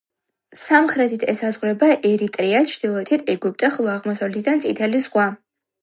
სამხრეთით ესაზღვრება ერიტრეა, ჩრდილოეთით ეგვიპტე, ხოლო აღმოსავლეთიდან წითელი ზღვა.